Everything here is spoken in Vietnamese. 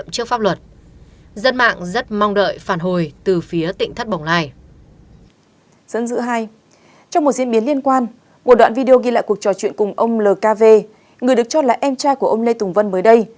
một đoạn video ghi lại cuộc trò chuyện cùng ông lkv người được cho là em trai của ông lê tùng vân mới đây